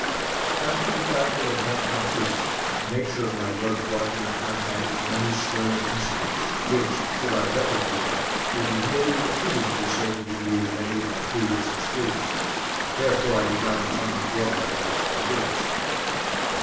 After the battle of Martinpuich the nature of my work brought me in contact with many stirring incidents, which, if put on record here, would be merely repeating to a certain degree many of my previous experiences, therefore I do not intend to bore my readers by doing so.